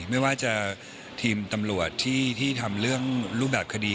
ไม่ว่าจะทีมตำรวจที่ทำเรื่องรูปแบบคดี